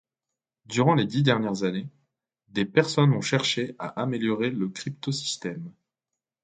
Durant les dix dernières années, des personnes ont cherché à améliorer le cryptosystème.